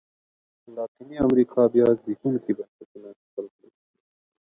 لاتینې امریکا بیا زبېښونکي بنسټونه خپل کړل.